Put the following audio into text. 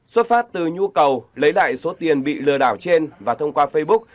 xuất phát từ nhu cầu lấy lại số tiền bị lừa đảo trên và thông qua facebook